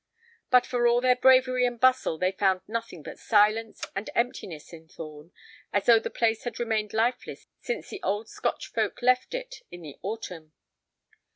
But for all their bravery and bustle they found nothing but silence and emptiness in Thorn, as though the place had remained lifeless since the old Scotch folk left it in the autumn.